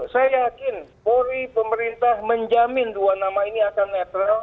saya yakin polri pemerintah menjamin dua nama ini akan netral